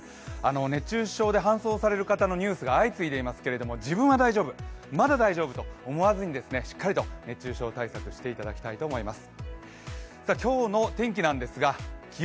熱中症で搬送される人のニュースが相次いでいますが、自分は大丈夫、まだ大丈夫と思わずにしっかりと熱中症対策していただきたいと思います。